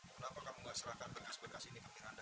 kenapa kamu gak serahkan bekas bekas ini ke miranda